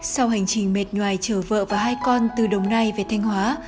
sau hành trình mệt nhòa chở vợ và hai con từ đồng nai về thanh hóa